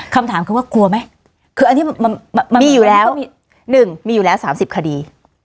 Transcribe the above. คำถามคือว่ากลัวไหมคืออันนี้มันมีอยู่แล้ว๑มีอยู่แล้ว๓๐คดี